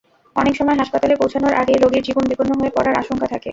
অনেক সময় হাসপাতালে পৌঁছানোর আগেই রোগীর জীবন বিপন্ন হয়ে পড়ার আশঙ্কা থাকে।